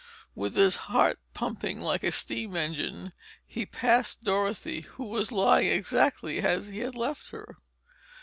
With his heart pumping like a steam engine, he passed Dorothy, who was lying exactly as he had left her.